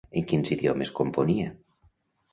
En quins idiomes componia?